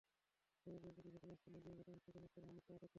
খবর পেয়ে পুলিশ ঘটনাস্থলে গিয়ে ঘটনাস্থল থেকে মোস্তাক আহমেদকে আটক করে।